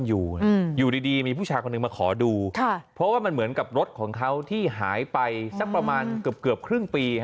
อยู่อยู่ดีมีผู้ชายคนหนึ่งมาขอดูค่ะเพราะว่ามันเหมือนกับรถของเขาที่หายไปสักประมาณเกือบเกือบครึ่งปี